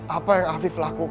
apa yang afif lakukan